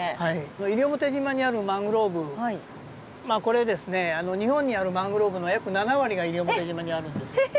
西表島にあるマングローブこれですね日本にあるマングローブの約７割が西表島にあるんですよね。